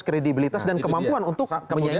kredibilitas dan kemampuan untuk menyayangi